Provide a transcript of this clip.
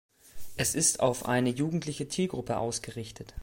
Es ist auf eine jugendliche Zielgruppe ausgerichtet.